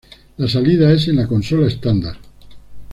La salida es en la consola estándar.